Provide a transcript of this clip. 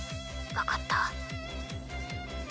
分かった。